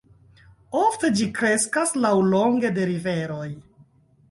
Ofte ĝi kreskas laŭlonge de riveroj.